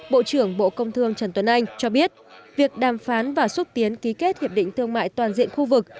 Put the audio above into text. bộ trưởng bộ công thương trần tuấn anh cho biết việc đàm phán và xúc tiến ký kết hiệp định thương mại toàn diện khu vực